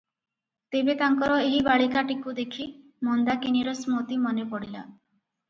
ତେବେ ତାଙ୍କର ଏହି ବାଳିକାଟିକୁ ଦେଖି ମନ୍ଦାକିନୀର ସ୍ମୃତି ମନେ ପଡ଼ିଲା ।